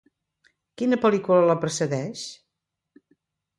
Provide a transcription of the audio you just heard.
Quina pel·lícula la precedeix?